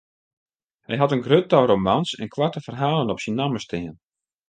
Hy hat in grut tal romans en koarte ferhalen op syn namme stean.